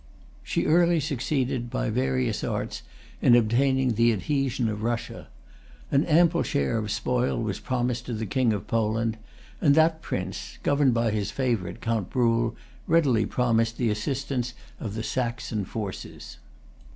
She early succeeded by various arts in obtaining the adhesion of Russia. An ample share of spoil was promised to the King of Poland; and that prince, governed by his favorite, Count Bruhl, readily promised the assistance of the Saxon forces.